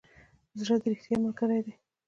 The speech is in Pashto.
زړه د ریښتیا ملګری دی.